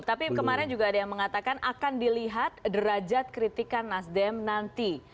tapi kemarin juga ada yang mengatakan akan dilihat derajat kritikan nasdem nanti